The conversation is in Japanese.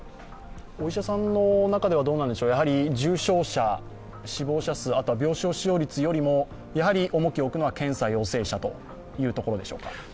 お医者さんの中では重症者、死亡者数、あとは病床使用率よりも重きを置くのは検査陽性者というところでしょうか？